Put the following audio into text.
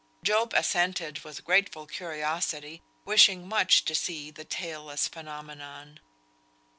Job assented with grateful curiosity, wishing much to see the tail less phenomenon.